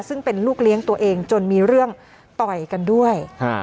ซึ่งเป็นลูกเลี้ยงตัวเองจนมีเรื่องต่อยกันด้วย